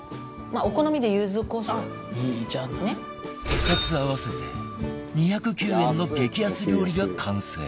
２つ合わせて２０９円の激安料理が完成